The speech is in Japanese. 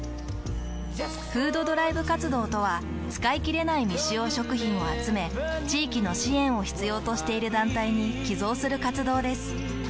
「フードドライブ活動」とは使いきれない未使用食品を集め地域の支援を必要としている団体に寄贈する活動です。